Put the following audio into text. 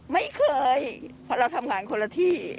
ไม่เคยเพราะเราทำงานคนละที่